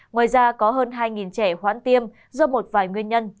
ngoài ra có hơn hai trẻ hoãn tiêm do một vài nguyên nhân